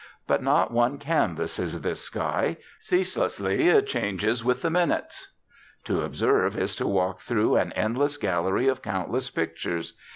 But not one canvas is this sky; ceaselessly it changes with the minutes. To observe is to walk through an endless gallery of countless pictures.